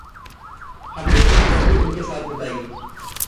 हमने पूरी गर्मी उनके साथ बिताई।